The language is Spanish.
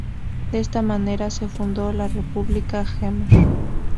De esta manera se fundó la "República Jemer".